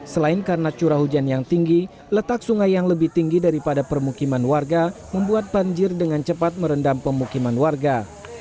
selain karena curah hujan yang tinggi letak sungai yang lebih tinggi daripada permukiman warga membuat banjir dengan cepat merendam pemukiman warga